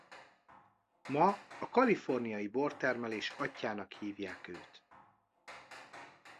Ma a kaliforniai bortermelés atyjának hívják őt.